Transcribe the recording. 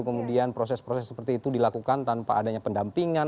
kemudian proses proses seperti itu dilakukan tanpa adanya pendampingan